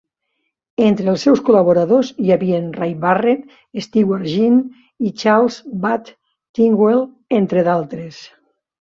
Entre els seus col·laboradors hi havia Ray Barrett, Stewart Ginn i Charles "Bud" Tingwell, entre d'altres.